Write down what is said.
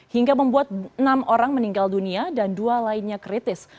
hingga membuat enam orang meninggal dunia dan dua lainnya kritis